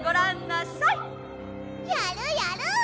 やるやる！